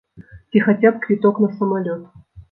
Ці хаця б квіток на самалёт.